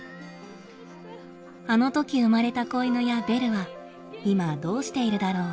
あのとき生まれた子犬やベルは今どうしているだろう。